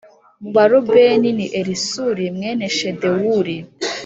mu Barubeni ni Elisuri mwene Shedewuri